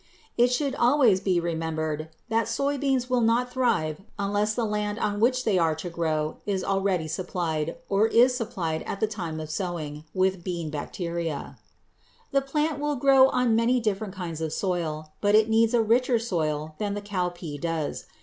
It should always be remembered that soy beans will not thrive unless the land on which they are to grow is already supplied, or is supplied at the time of sowing, with bean bacteria. [Illustration: FIG. 236. CHINESE SOY BEANS] The plant will grow on many different kinds of soil, but it needs a richer soil than the cowpea does.